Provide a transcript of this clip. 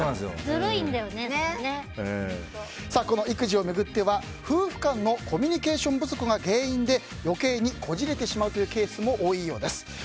この育児を巡っては夫婦間のコミュニケーション不足が原因で余計にこじれてしまうケースも多いようです。